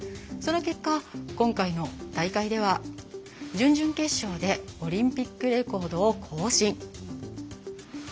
その結果、今回の大会では準々決勝でオリンピックレコードを更新。